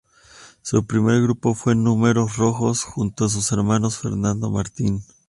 Su primer grupo fue Números Rojos, junto a su hermano Fernando Martín.